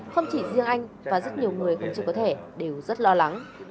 không chỉ riêng anh và rất nhiều người không chịu có thẻ đều rất lo lắng